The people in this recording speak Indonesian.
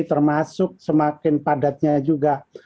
termasuk semakin padatnya juga